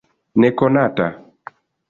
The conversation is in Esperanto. nekonata